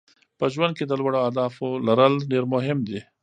په ژوند کې د لوړو اهدافو لرل ډېر مهم دي.